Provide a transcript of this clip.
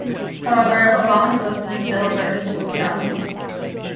However, Obama spokesman Bill Burton told Yahoo!